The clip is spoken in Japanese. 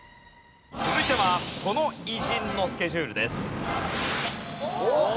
続いてはこの偉人のスケジュールです。